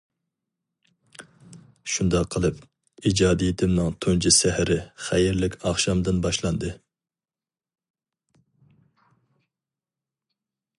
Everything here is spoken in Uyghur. شۇنداق قىلىپ ئىجادىيىتىمنىڭ تۇنجى سەھىرى خەيرلىك ئاخشامدىن باشلاندى.